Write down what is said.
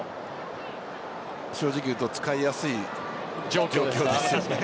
正直言うと使いやすい状況ですよね。